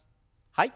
はい。